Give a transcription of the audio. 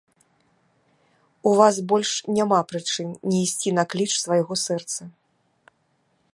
У вас больш няма прычын не ісці на кліч свайго сэрца.